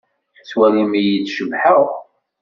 Tettwalimt-iyi-d cebḥeɣ?